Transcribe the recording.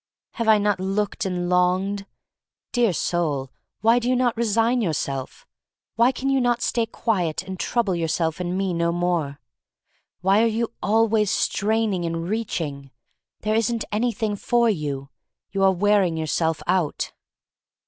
Have I not looked and longed? Dear soul, why do you not resign yourself? Why can you not stay quiet and trouble yourself and me no more? Why are you always straining and reaching? There isn't an3M:hing for you. You are wearing yourself out."